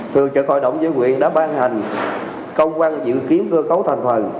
thượng trưởng hội đồng nhân quyền đã ban hành công quan dự kiến cơ cấu thành phần